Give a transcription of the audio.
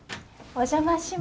お邪魔します。